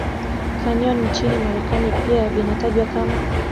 Canyon nchini Marekani pia vinatajwa kama